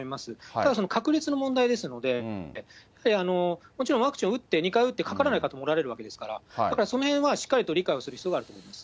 ただ、その確率の問題ですので、もちろんワクチンを打って、２回打ってかからない方もおられるわけですから、だからそのへんはしっかりと理解をする必要はあると思います。